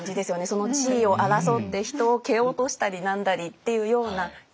その地位を争って人を蹴落としたり何だりっていうようなイメージです。